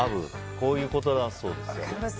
こういうことだそうですよ。